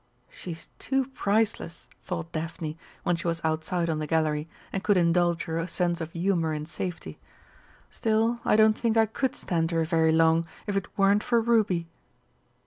"She's too priceless!" thought Daphne, when she was outside on the gallery, and could indulge her sense of humour in safety. "Still, I don't think I could stand her very long if it weren't for Ruby!"